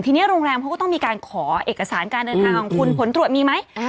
ทีนี้โรงแรมเขาก็ต้องมีการขอเอกสารการเดินทางของคุณผลตรวจมีไหม